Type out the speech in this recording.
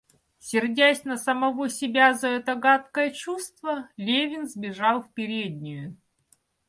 Сердясь на самого себя за это гадкое чувство, Левин сбежал в переднюю.